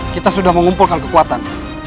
kita sudah mengumpulkan kekuatan